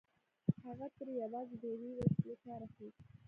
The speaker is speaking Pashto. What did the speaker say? هغه ترې يوازې د يوې وسيلې کار اخيست.